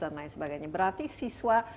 dan lain sebagainya berarti siswa